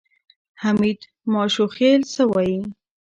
حمید ماشوخېل څه وایي؟